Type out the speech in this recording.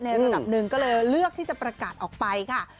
ระดับหนึ่งก็เลยเลือกที่จะประกาศออกไปค่ะ